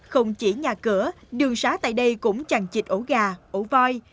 không chỉ nhà cửa đường xá tại đây cũng chẳng chịt ổ gà ổ voi